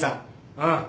うん。